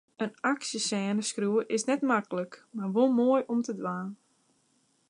In aksjesêne skriuwe is net maklik, mar wol moai om te dwaan.